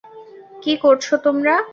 কি করছো তোমরা?